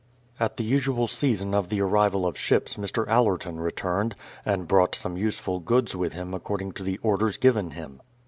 At the usual season of the arrival of ships Mr. Allerton returned, and brought some useful goods with him accord ing to the orders given him.